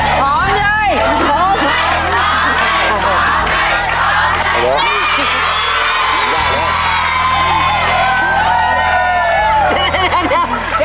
พร้อมเลย